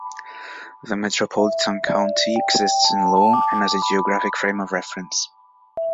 The metropolitan county exists in law and as a geographic frame of reference.